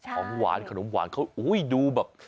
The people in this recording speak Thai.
ของหวานขนมหวานเขาดูแบบ